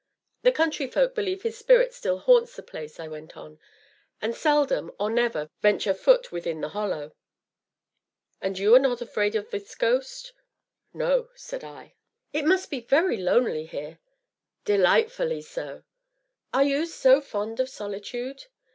"The country folk believe his spirit still haunts the place," I went on, "and seldom, or never, venture foot within the Hollow." "And are you not afraid of this ghost?" "No," said I. "It must be very lonely here." "Delightfully so." "Are you so fond of solitude?"